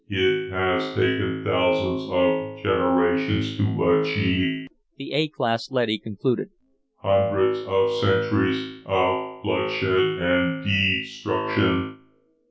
"It has taken thousands of generations to achieve," the A class leady concluded. "Hundreds of centuries of bloodshed and destruction.